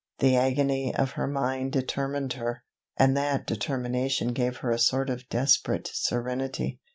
The agony of her mind determined her; and that determination gave her a sort of desperate serenity.